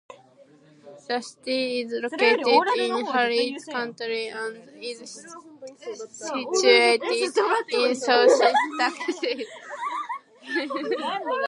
The city is located in Harris County and is situated in Southeast Texas.